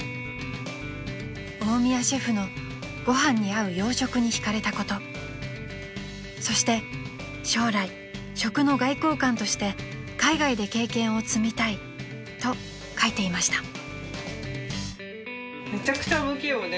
［大宮シェフのご飯に合う洋食に引かれたことそして将来食の外交官として海外で経験を積みたいと書いていました］